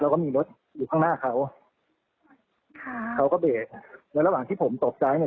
แล้วก็มีรถอยู่ข้างหน้าเขาค่ะเขาก็เบรกแล้วระหว่างที่ผมตกใจเนี้ย